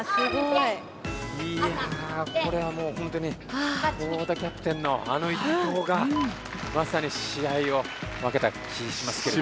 いやこれはもう本当に江田キャプテンのあの１投がまさに試合を分けた気しますけれども。